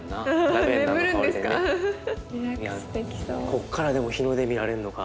ここからでも日の出見られるのか。